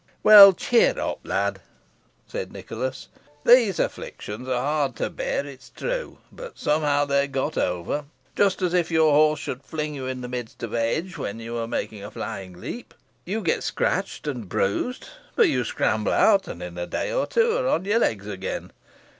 "Well, cheer up, lad," said Nicholas. "These afflictions are hard to bear, it is true; but somehow they are got over. Just as if your horse should fling you in the midst of a hedge when you are making a flying leap, you get scratched and bruised, but you scramble out, and in a day or two are on your legs again.